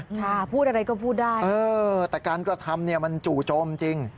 ค่ะพูดอะไรก็พูดได้เออแต่การกระทำเนี่ยมันจู่โจมจริง